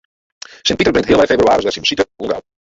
Sint Piter bringt healwei febrewaris wer syn besite oan Grou.